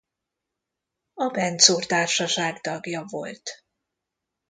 A Benczúr Társaság tagja volt.